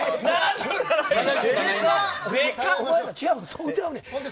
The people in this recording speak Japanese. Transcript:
そこちゃうねん。